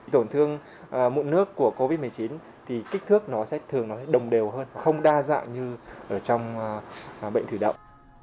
tổn thương mụn nước của covid một mươi chín thì kích thước nó sẽ thường nó sẽ đồng đều hơn không đa dạng như ở trong bệnh thủy đậu